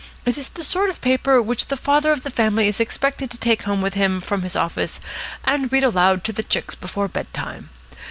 It is the sort of paper which the father of the family is expected to take home with him from his office and read aloud to the chicks before bed time.